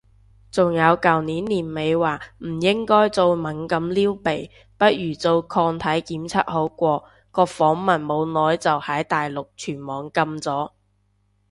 仲有舊年年尾話唔應該再猛咁撩鼻，不如做抗體檢測好過，個訪問冇耐就喺大陸全網禁咗